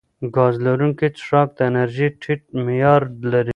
ګاز لرونکي څښاک د انرژۍ ټیټ معیار لري.